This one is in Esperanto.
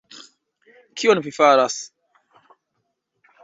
kion vi faras?